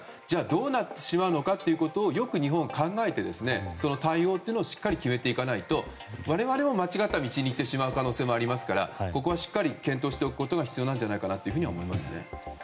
じゃあどうなってしまうのかをよく日本は考えて対応をしっかり決めていかないと我々も間違った道に行ってしまう可能性もありますからここはしっかり検討しておくことが必要なんじゃないかと思います。